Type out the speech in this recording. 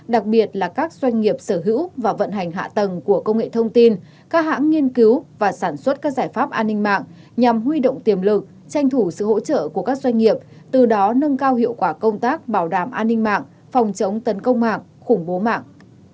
đặc biệt là các doanh nghiệp sở hữu và vận hành hạ tầng của công nghệ thông tin các hãng nghiên cứu và sản xuất các giải pháp an ninh mạng nhằm huy động tiềm lực tranh thủ sự hỗ trợ của các doanh nghiệp từ đó nâng cao hiệu quả công tác bảo đảm an ninh mạng phòng chống tấn công mạng khủng bố mạng